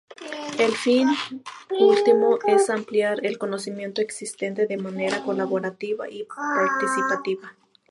El fin último es ampliar el conocimiento existente de manera colaborativa y participativa.